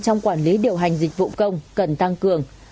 trong quản lý điều hành dịch vụ công cần tăng cường